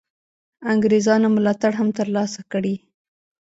انګرېزانو ملاتړ هم تر لاسه کړي.